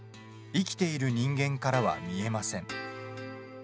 生きている人間からは見えません。